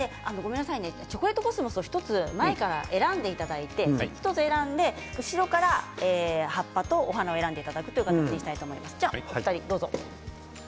チョコレートコスモスを前から１つ選んでいただいて後ろから葉っぱとお花を選んでいただくという形にしたいと思います。